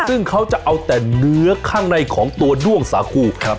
ซึ่งเขาจะเอาแต่เนื้อข้างในของตัวด้วงสาคูครับ